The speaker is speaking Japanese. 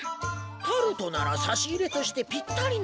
タルトなら差し入れとしてぴったりなのにゃ。